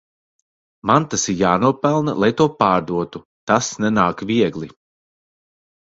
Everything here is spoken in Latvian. Man tas ir jānopelna lai to pārdotu, tas nenāk viegli.